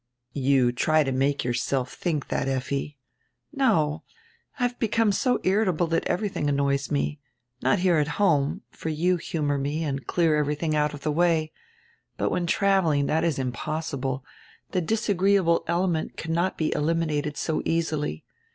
"You try to make yourself think that, Effi." "No. I have become so irritable that everything annoys me. Not here at home, for you humor me and clear every tiiing out of my way. But when traveling that is impossi ble, the disagreeable element cannot be eliminated so easily.